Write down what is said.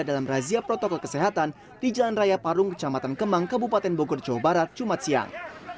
dalam razia protokol kesehatan di jalan raya parung kecamatan kemang kabupaten bogor jawa barat jumat siang